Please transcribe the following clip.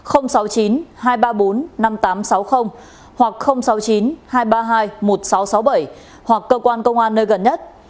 hoặc sáu mươi chín hai trăm ba mươi hai một nghìn sáu trăm sáu mươi bảy hoặc cơ quan công an nơi gần nhất